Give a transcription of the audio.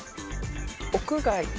屋外。